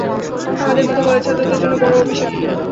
আমাদের মতো কলেজ ছাত্রদের জন্য বড় অভিশাপ।